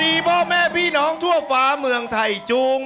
มีพ่อแม่พี่น้องทั่วฟ้าเมืองไทยจูง